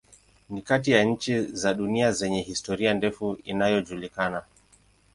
Ni kati ya nchi za dunia zenye historia ndefu inayojulikana.